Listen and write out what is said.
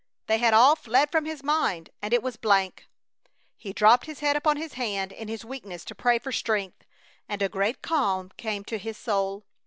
They had all fled from his mind and it was a blank! He dropped his head upon his hand in his weakness to pray for strength, and a great calm came to his soul.